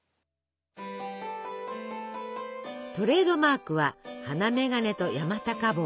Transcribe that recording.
トレードマークは鼻眼鏡と山高帽。